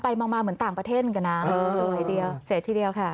ไปมาเหมือนต่างประเทศกันนะสวยทีเดียวเสร็จทีเดียวค่ะ